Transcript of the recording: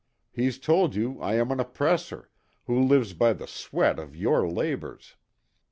He's told you I am an oppressor, who lives by the sweat of your labors.